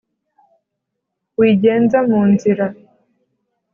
wigenza mu nzira